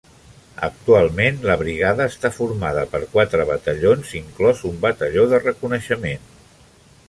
Actualment, la brigada està formada per quatre batallons, inclòs un batalló de reconeixement.